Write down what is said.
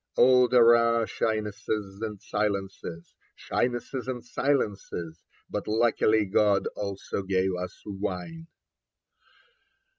Oh, there are shynesses and silences, Shynesses and silences ! But luckily God also gave us wine.